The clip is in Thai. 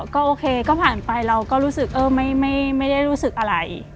ก็โอเคก็ผ่านไปเราก็รู้สึกไม่ได้รู้สึกอะไร